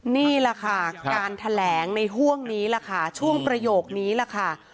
นี่แหละค่ะการแถลงในห่วงนี้ล่ะค่ะช่วงประโยคนี้แหละค่ะ